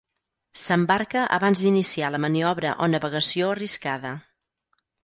S'embarca abans d'iniciar la maniobra o navegació arriscada.